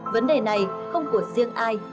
vấn đề này không của riêng ai